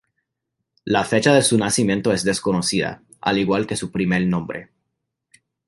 La fecha de su nacimiento es desconocida, al igual que su primer nombre.